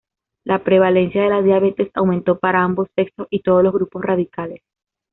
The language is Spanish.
La prevalencia de la diabetes aumentó para ambos sexos y todos los grupos raciales.